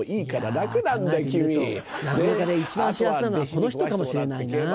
落語家で一番幸せなのはこの人かもしれないな。